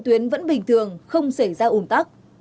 tuyến vẫn bình thường không xảy ra un tắc